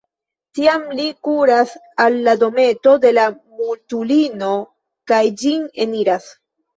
Tiam li kuras al la dometo de la mutulino kaj ĝin eniras.